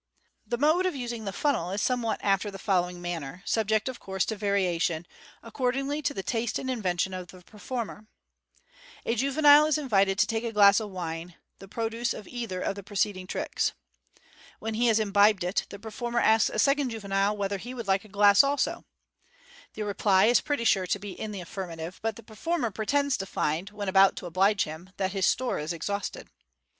The mode of using the funnel is somewhat after the following manner, subject, of course, to variation, according to the taste and invention of the performer :— A juvenile is invited to take a glass of wine, the produce of either of the preceding tricks. When he has imbibed it, the performer 380 MODERN MA GIC. asks a second juvenile whether he would like a glass also. The reply is pretty sure to be in the affirmative, but the performer pretends to find, when about to oblige him, that his store is exhausted.